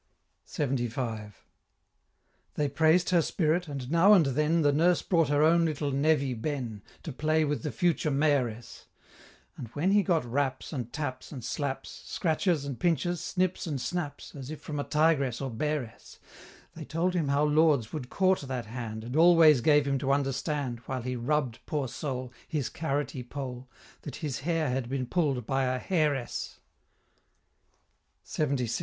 LXXV. They praised her spirit, and now and then The Nurse brought her own little "nevy" Ben, To play with the future May'ress, And when he got raps, and taps, and slaps, Scratches, and pinches, snips, and snaps, As if from a Tigress or Bearess, They told him how Lords would court that hand, And always gave him to understand, While he rubb'd, poor soul, His carroty poll, That his hair has been pull'd by a Hairess. LXXVI.